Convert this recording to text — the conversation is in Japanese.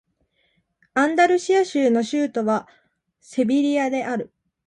アンダルシア州の州都はセビリアである